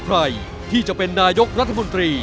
ใครที่จะเป็นนายกรัฐมนตรี